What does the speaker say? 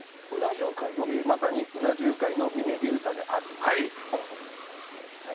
まさに、うな重界の峰竜太であるとのことです。